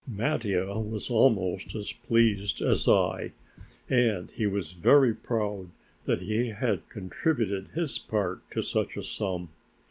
Mattia was almost as pleased as I, and he was very proud that he had contributed his part to such a sum.